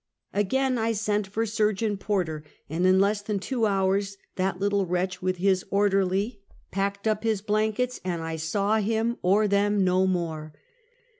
Again I sent for Surgeon Porter, and in less, than two hours that little wretch, with his orderly, packed Placed in Authoeitt. 315 up his blankets and I saw him or them no more.